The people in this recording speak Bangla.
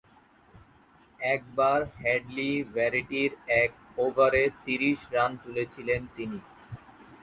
একবার হেডলি ভেরিটি’র এক ওভারে ত্রিশ রান তুলেছিলেন তিনি।